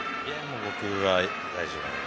僕は大丈夫なので。